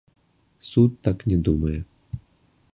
Суд так не думае.